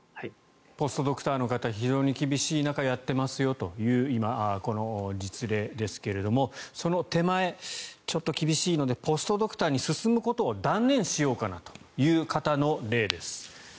ポストドクターの方非常に厳しい中やってますという今、実例ですけれどもその手前ちょっと厳しいのでポストドクターに進むことを断念しようかなという方の例です。